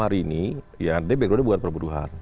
hari ini ya dia baik baik saja bukan perburuan